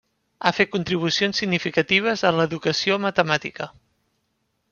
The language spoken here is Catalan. Ha fet contribucions significatives a l'educació matemàtica.